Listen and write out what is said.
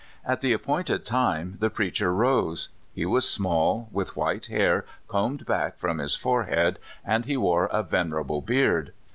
At the appointed time, the preacher rose. He was small, with white hair combed back from his fore head, and he wore a venerable beard.